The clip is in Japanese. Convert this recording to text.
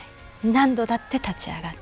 何度だって立ち上がって。